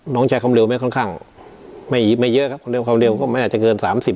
น้องใช้คำเร็วไม่ค่อนข้างไม่ไม่เยอะครับคำเร็วคำเร็วก็ไม่อาจจะเกินสามสิบ